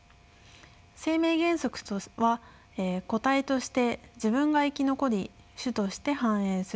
生命原則とは個体として自分が生き残り種として繁栄するということです。